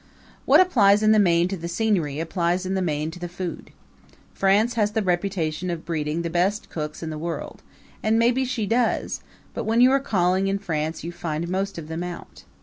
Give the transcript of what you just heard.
What applies in the main to the scenery applies in the main to the food. France has the reputation of breeding the best cooks in the world and maybe she does; but when you are calling in France you find most of them out.